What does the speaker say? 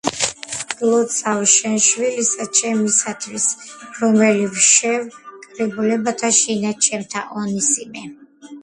გლოცავ შენ შვილისა ჩემისათვს, რომელი ვშევ კრულებათა შინა ჩემთა ონისიმე.